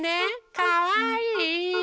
かわいい。